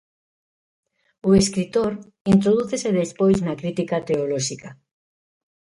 O escritor introdúcese despois na crítica teolóxica.